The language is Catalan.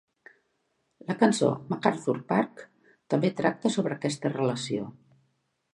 La cançó "MacArthur Park" també tracta sobre aquesta relació.